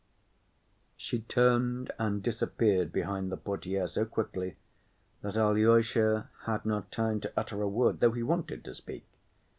She turned and disappeared behind the portière so quickly that Alyosha had not time to utter a word, though he wanted to speak.